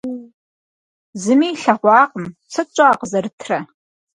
Зыми илъэгъуакъым. Сыт щӀа къызэрытрэ!